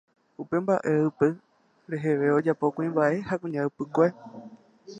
Upe mbaʼeʼypy reheve ojapo kuimbaʼe ha kuña ypykue.